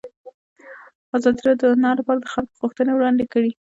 ازادي راډیو د هنر لپاره د خلکو غوښتنې وړاندې کړي.